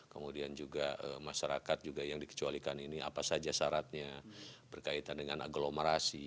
kemudian juga masyarakat juga yang dikecualikan ini apa saja syaratnya berkaitan dengan aglomerasi